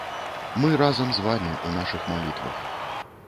Мы разам з вамі ў нашых малітвах!